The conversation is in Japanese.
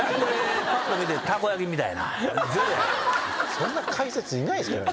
そんな解説いないですから。